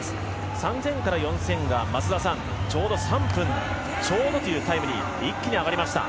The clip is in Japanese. ３０００から４０００は３分ちょうどというタイムに一気に上がりました。